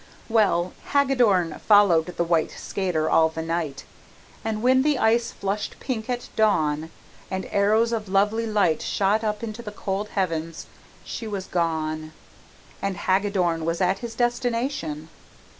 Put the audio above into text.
Well, Hagadorn followed the white skater all the night, and when the ice flushed pink at dawn, and arrows of lovely light shot up into the cold heavens, she was gone, and Hagadorn was at his destination.